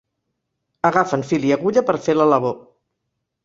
Agafen fil i agulla per fer la labor.